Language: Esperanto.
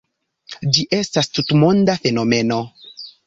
Ĝi estas tutmonda fenomeno.